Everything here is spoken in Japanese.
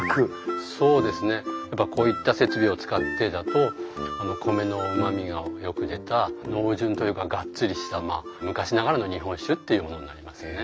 そうですねやっぱこういった設備を使ってだと米のうまみがよく出た濃醇というかがっつりしたまあ昔ながらの日本酒っていうものになりますね。